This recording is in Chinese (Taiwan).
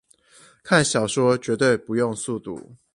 看小說絕對不用速讀